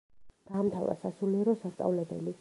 დაამთავრა სასულიერო სასწავლებელი.